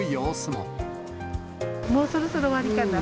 もうそろそろ終わりかな。